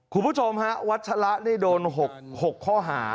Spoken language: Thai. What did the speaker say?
คุณผู้ชมฮะวัชละนี่โดน๖ข้อหา